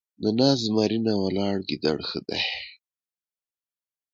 ـ د ناست زمري نه ، ولاړ ګيدړ ښه دی.